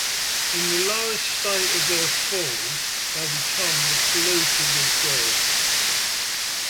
In the lowest state of their 'fall', they become 'the Polluted of God.